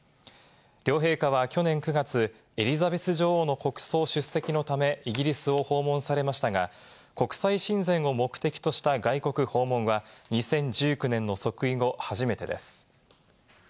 両陛下は去年９月、エリザベス女王の国葬出席のためイギリスを訪問されましたが、国際親善を目的とした外国訪問は２０１９年の即位後、初めてです。